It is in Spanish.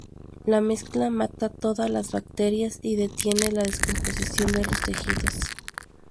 La mezcla mata todas las bacterias y detiene la descomposición de los tejidos.